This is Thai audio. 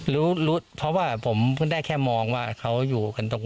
เพราะว่าผมได้แค่มองว่าเขาอยู่กันตรงโน้น